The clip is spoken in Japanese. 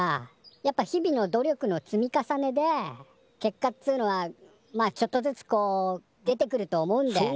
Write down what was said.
やっぱ日々の努力の積み重ねで結果っつうのはまあちょっとずつこう出てくると思うんだよね。